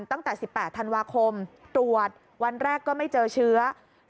ตั้งแต่๑๘ธันวาคมตรวจวันแรกก็ไม่เจอเชื้อ